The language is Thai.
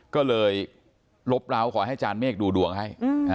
ก็เลยลบร้าวขอให้อาจารย์เมฆดูดวงให้